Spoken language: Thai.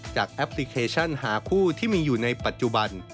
แอปพลิเคชันหาคู่ที่มีอยู่ในปัจจุบัน